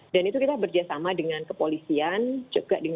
dan itu kita bekerjasama dengan kepolisian juga dengan pemerintah daerah tempat